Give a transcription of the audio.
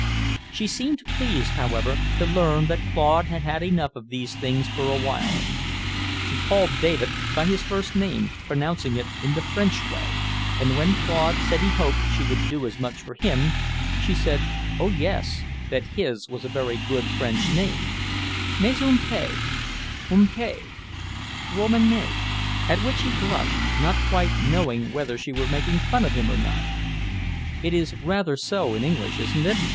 She seemed pleased, however, to learn that Claude had had enough of these things for awhile. She called David by his first name, pronouncing it the French way, and when Claude said he hoped she would do as much for him, she said, Oh, yes, that his was a very good French name, "mais un peu, un peu... romanesque," at which he blushed, not quite knowing whether she were making fun of him or not. "It is rather so in English, isn't it?"